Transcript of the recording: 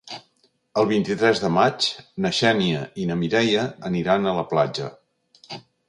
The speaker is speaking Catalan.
El vint-i-tres de maig na Xènia i na Mireia aniran a la platja.